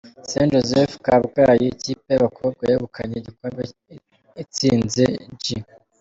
Saint Joseph Kabgayi, ikipe y’abakobwa yegukanye igikombe itsinze G.